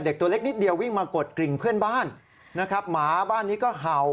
ตัวเล็กนิดเดียววิ่งมากดกริ่งเพื่อนบ้านนะครับหมาบ้านนี้ก็เห่า